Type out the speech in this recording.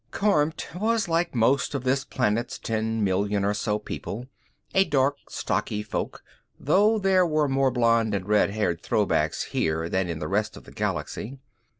Kormt was like most of this planet's ten million or so people a dark, stocky folk, though there were more blond and red haired throwbacks here than in the rest of the Galaxy.